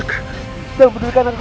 jangan pedulikan anakku